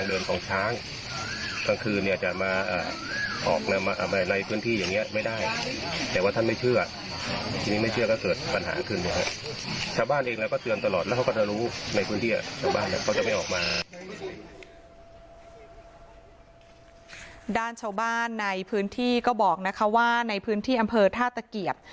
ด้านชาวบ้านในพื้นที่ก็บอกนะคะว่าในพื้นที่อำเภอท่าตะเกียบ